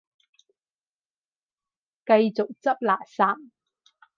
繼續執垃圾